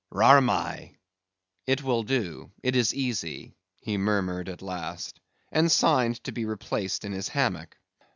"Rarmai" (it will do; it is easy), he murmured at last, and signed to be replaced in his hammock.